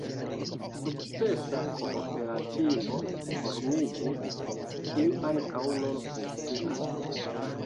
Sukcesa kooperativo formiĝis, kiu ankaŭ nun funkcias.